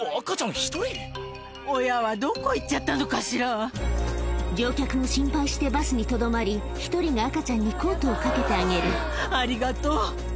なんと赤ちゃんは乗客も心配してバスにとどまり１人が赤ちゃんにコートをかけてあげるありがとう。